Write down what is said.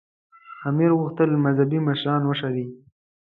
امیر غوښتل مذهبي مشران وشړي.